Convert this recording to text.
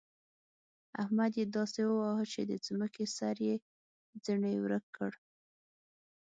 احمد يې داسې وواهه چې د ځمکې سر يې ځنې ورک کړ.